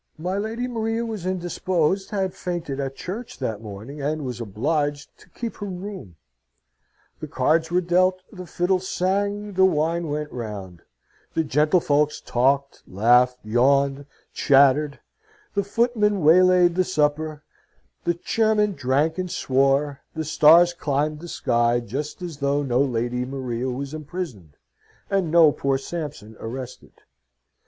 My Lady Maria was indisposed, had fainted at church that morning, and was obliged to keep her room. The cards were dealt, the fiddles sang, the wine went round, the gentlefolks talked, laughed, yawned, chattered, the footmen waylaid the supper, the chairmen drank and swore, the stars climbed the sky, just as though no Lady Maria was imprisoned, and no poor Sampson arrested.